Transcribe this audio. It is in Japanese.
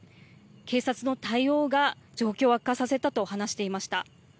警察の対応が状況を悪化させたと話していました。